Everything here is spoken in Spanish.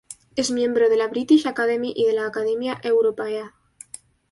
Es miembro de la British Academy y de la Academia Europaea.